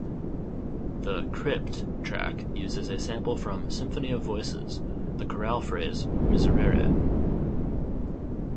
The "Crypt" track uses a sample from "Symphony of Voices"; the choral phrase "Miserere".